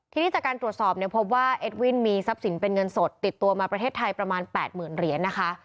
ทีนี้จากการตรวจสอบเนี่ยพบว่าเอ็ดวินมีทรัพย์สินเป็นเงินสดติดตัวมาประเทศไทยประมาณ๘๐๐๐เหรียญนะคะ